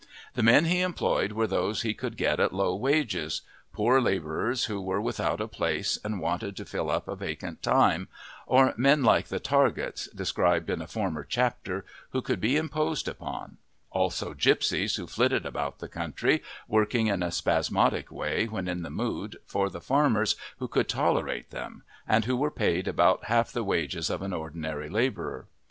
The men he employed were those he could get at low wages poor labourers who were without a place and wanted to fill up a vacant time, or men like the Targetts described in a former chapter who could be imposed upon; also gipsies who flitted about the country, working in a spasmodic way when in the mood for the farmers who could tolerate them, and who were paid about half the wages of an ordinary labourer.